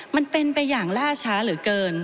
มันเป็นไปอย่างล่าช้าเหลือเกิน